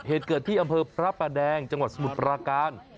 เหตุเกิดที่อำเภอพระประแดงจังหวัดสมุทรปราการ